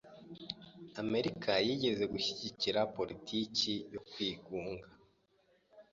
Amerika yigeze gushigikira politiki yo kwigunga.